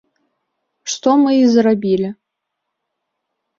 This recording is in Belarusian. Што мы і зрабілі.